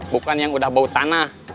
bukan yang udah bau tanah